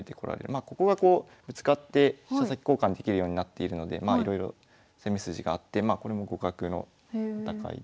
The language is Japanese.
まあここがこうぶつかって飛車先交換できるようになっているのでいろいろ攻め筋があってこれも互角の戦いですね。